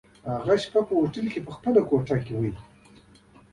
هماغه شپه په هوټل کي په خپله کوټه کي وو.